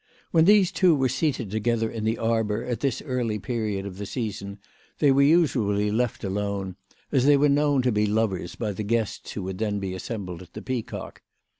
When these two were seated together in the arbour, at this early period of the season, they were usually left alone, as they were known to be lovers by the guests who would then be assembled at the Peacock.